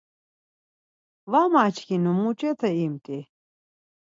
Var maçkinu muç̌ote imt̆i.